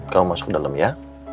kamu masuk dalam ya